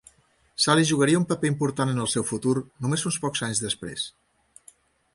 Saly jugaria un paper important en el seu futur només uns pocs anys després.